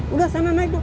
udah sama naik dong